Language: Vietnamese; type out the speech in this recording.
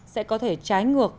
sẽ có thể trái ngược